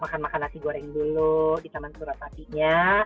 makan makan nasi goreng dulu di taman surat patinya